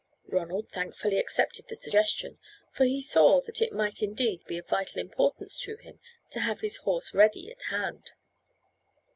Ronald thankfully accepted the suggestion, for he saw that it might indeed be of vital importance to him to have his horse ready at hand.